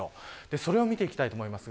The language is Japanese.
それを見ていきたいと思います。